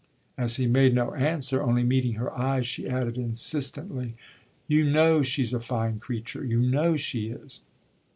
As he made no answer, only meeting her eyes, she added insistently: "You know she's a fine creature you know she is!"